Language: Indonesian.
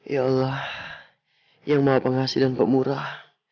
ya allah yang maha pengasih dan pemurah